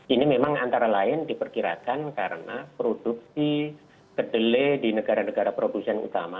ini memang antara lain diperkirakan karena produksi kedelai di negara negara produsen utama